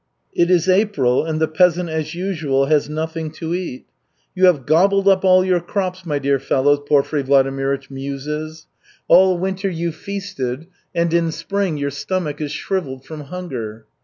It is April, and the peasant as usual has nothing to eat. "You have gobbled up all your crops, my dear fellows," Porfiry Vladimirych muses. "All winter you feasted, and in spring your stomach is shrivelled from hunger."